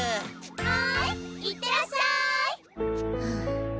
ハイいってらっしゃい！